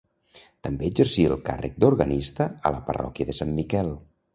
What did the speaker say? També exercí el càrrec d'organista a la parròquia de Sant Miquel.